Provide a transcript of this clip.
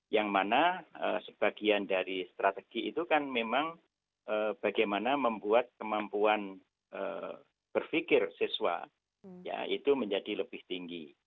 yang mana sebagian dari strategi itu kan memang bagaimana membuat kemampuan berpikir siswa ya itu menjadi lebih tinggi